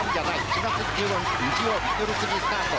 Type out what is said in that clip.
４月１５日日曜日夜９時スタート